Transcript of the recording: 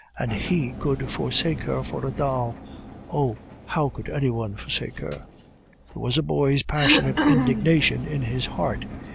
"And he could forsake her for a doll! Oh! how could any one forsake her?" There was a boy's passionate indignation in his heart.